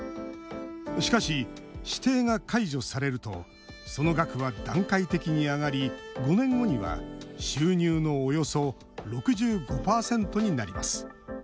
しかし、指定が解除されるとその額は段階的に上がり５年後には収入のおよそ６５％になります。